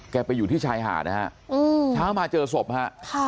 ไปอยู่ที่ชายหาดนะฮะเช้ามาเจอศพฮะค่ะ